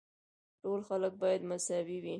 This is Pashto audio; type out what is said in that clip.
ټول خلک باید مساوي وي.